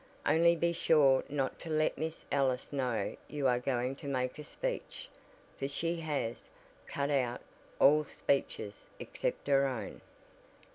Only be sure not to let Miss Ellis know you are going to make a speech, for she has 'cut out' all speeches except her own."